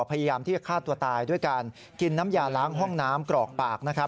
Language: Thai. พยายามที่จะฆ่าตัวตายด้วยการกินน้ำยาล้างห้องน้ำกรอกปากนะครับ